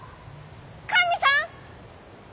神さん！